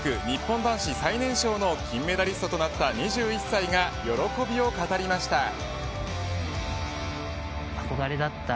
日本男子最年少の金メダリストとなった２１歳が喜びを語りました。